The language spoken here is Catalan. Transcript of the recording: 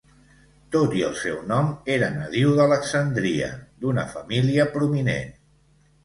Tot i el seu nom, era nadiu d'Alexandria, d'una família prominent.